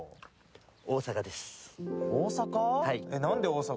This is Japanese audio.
大阪？